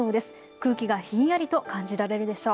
空気がひんやりと感じられるでしょう。